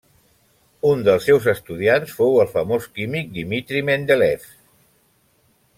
Un dels seus estudiants fou el famós químic Dmitri Mendeléiev.